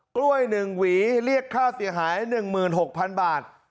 กล้วยหนึ่งหวีเรียกค่าเสียหายหนึ่งหมื่นหกพันบาท